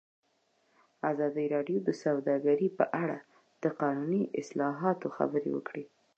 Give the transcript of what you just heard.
ازادي راډیو د سوداګري په اړه د قانوني اصلاحاتو خبر ورکړی.